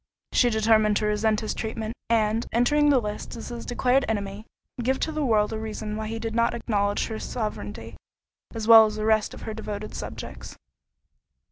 She determined to resent his treatment; and, entering the lists as his declared enemy, give to the world a reason why he did not acknowledge her sovereignty, as well as the rest of her devoted subjects.